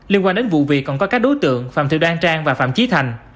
liên quan đến vụ việc còn có các đối tượng phạm thị đoan trang và phạm trí thành